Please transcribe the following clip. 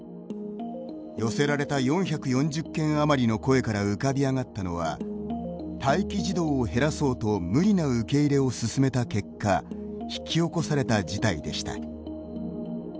寄せられた４４０件余りの声から浮かび上がったのは待機児童を減らそうと無理な受け入れを進めた結果引き起こされた事態でした。